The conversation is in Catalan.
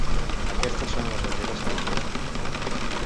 Aquestes són les banderes que uneixen.